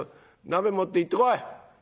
鍋持って行ってこい。